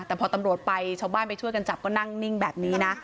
แต่พอตำรวจไปชาวบ้านไปช่วยกันจับก็นั่งนิ่งแบบนี้นะ